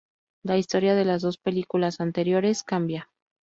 La historia de las dos películas anteriores cambia.